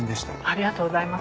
ありがとうございます。